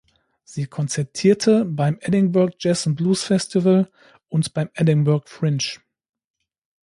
Sie konzertierte beim "Edinburgh Jazz and Blues Festival" und beim Edinburgh Fringe.